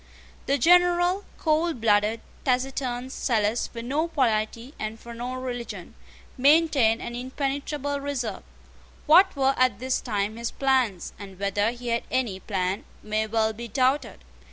The General, coldblooded, taciturn, zealous for no polity and for no religion, maintained an impenetrable reserve. What were at this time his plans, and whether he had any plan, may well be doubted.